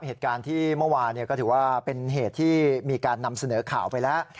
เหตุการณ์ที่เมื่อวานก็ถือว่าเป็นเหตุที่มีการนำเสนอข่าวไปแล้ว